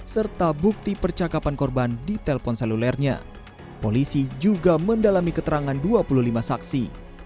serta bukti percakapan korban di telpon selulernya polisi juga mendalami keterangan dua puluh lima saksi